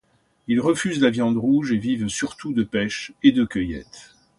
Ils refusent la viande rouge et vivent surtout de pêche et de cueillette.